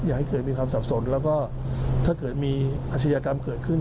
ให้เกิดมีความสับสนแล้วก็ถ้าเกิดมีอาชญากรรมเกิดขึ้น